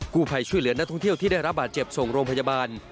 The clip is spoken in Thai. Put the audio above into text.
ผู้ภัยช่วยเหลือนักท่องเที่ยวที่ได้รับบาดเจ็บส่งโรงพยาบาล